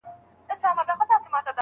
په محراب او منبر ښکلی بیرغ غواړم